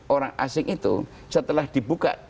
orang asing itu setelah dibuka